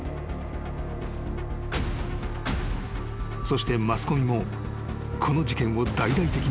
［そしてマスコミもこの事件を大々的に報道］